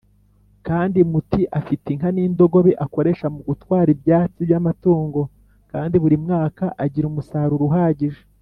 Kandi muti Afite inka n’ indogobe akoresha mu gutwara ibyatsi by’amatungo kandi buri mwaka agira umusaruro uhagije.